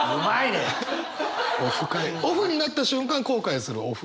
オフになった瞬間後悔するオフ悔。